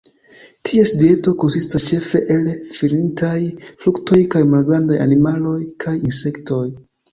Ties dieto konsistas ĉefe el falintaj fruktoj kaj malgrandaj animaloj, kaj insektoj.